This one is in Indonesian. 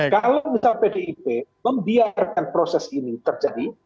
kalau misalnya bdip membiarkan proses ini terjadi